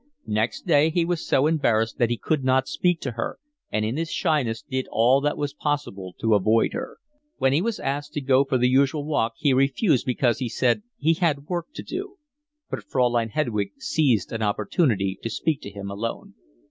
Next day he was so embarrassed that he could not speak to her, and in his shyness did all that was possible to avoid her. When he was asked to go for the usual walk he refused because, he said, he had work to do. But Fraulein Hedwig seized an opportunity to speak to him alone.